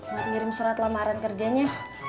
buat ngirim surat lamaran kerjanya